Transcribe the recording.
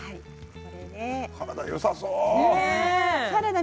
体によさそう。